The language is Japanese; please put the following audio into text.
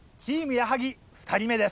矢作２人目です。